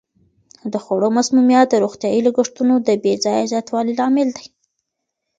د خوړو مسمومیت د روغتیايي لګښتونو د بې ځایه زیاتوالي لامل دی.